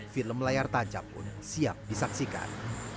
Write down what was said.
film layar tancap pun siap disaksikan